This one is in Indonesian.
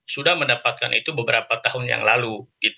sudah mendapatkan itu beberapa tahun yang lalu